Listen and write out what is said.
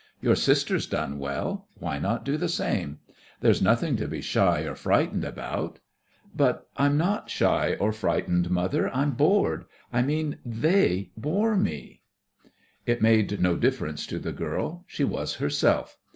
Your sister's done well. Why not do the same? There's nothing to be shy or frightened about." "But I'm not shy or frightened, mother. I'm bored. I mean they bore me." It made no difference to the girl; she was herself.